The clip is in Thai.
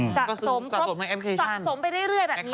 สะสมไปเรื่อยแบบนี้